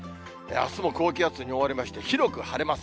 あすも高気圧に覆われまして、広く晴れます。